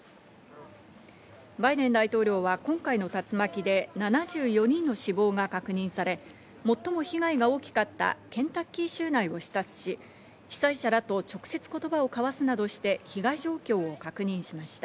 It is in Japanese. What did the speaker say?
バイデン大統領は今回の竜巻で７４人の死亡が確認され、最も被害が大きかったケンタッキー州内を視察し、被災者らと直接言葉を交わすなどして被害状況を確認しました。